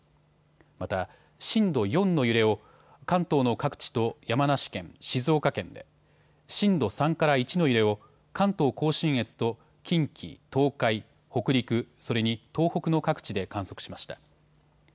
また震度４の揺れを関東の各地と山梨県静岡県で、震度３から１の揺れを関東甲信越と近畿、東海、北陸、それに東北の各地で観測しました。